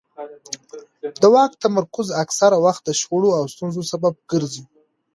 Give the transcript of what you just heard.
د واک تمرکز اکثره وخت د شخړو او ستونزو سبب ګرځي